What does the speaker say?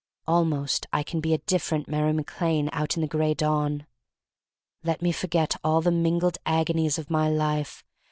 Almost I can be a different Mary Mac Lane out in the Gray Dawn. Let me forget all the mingled agonies of my life.